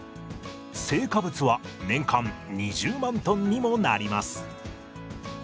青果物は年間２０万トンにもなります。